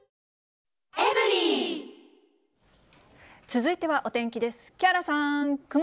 続いてはお天気です。